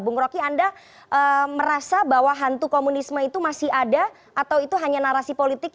bung rocky anda merasa bahwa hantu komunisme itu masih ada atau itu hanya narasi politik